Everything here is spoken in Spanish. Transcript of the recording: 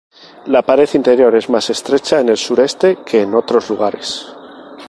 La pared interior es más estrecha en el sureste que en otros lugares.